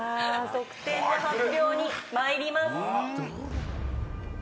得点の発表に参ります。